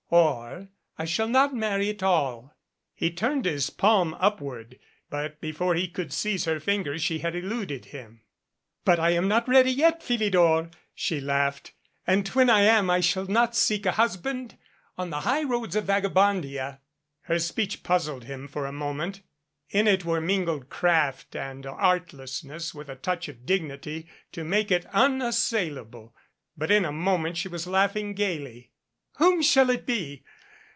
Or I shall not marry at all." He turned his palm upward, but before he could seize her fingers she had eluded him. "But I'm not ready yet, Philidor," she laughed, "and when I am I shall not seek a husband on the highroads of Vagabondia." Her speech puzzled him for a moment. In it were mingled craft and artlessness with a touch of dignity to make it unassailable. But in a moment she was laugh ing gaily. "Whom shall it be?